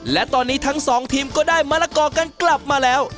และตอนนี้ทั้งสองทีมก็ได้มะละกอกันกลับมาแล้ว